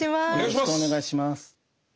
よろしくお願いします。